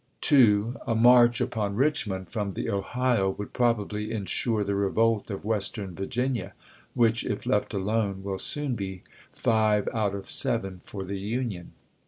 A march upon Richmond from the Ohio would probably insure the revolt of Western Virginia, which if left alone will soon be five out of seven for the Union.